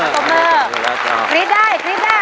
กรี๊ดได้กรี๊ดได้